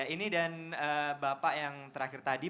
ini dan bapak yang terakhir tadi